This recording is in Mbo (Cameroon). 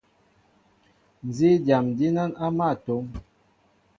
Nzí dyam dínán á mál a tóm,